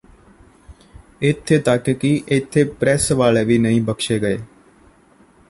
ਇੱਥੇ ਤੱਕ ਕਿ ਇੱਥੇ ਪਰੈੱਸ ਵਾਲੇ ਵੀ ਨਹੀਂ ਬਖਸ਼ੇ ਗਏ